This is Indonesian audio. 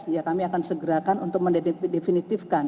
ya kami akan segerakan untuk mendefinitifkan